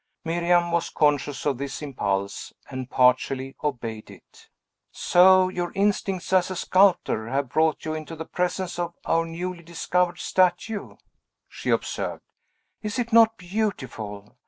Miriam was conscious of this impulse, and partially obeyed it. "So your instincts as a sculptor have brought you into the presence of our newly discovered statue," she observed. "Is it not beautiful?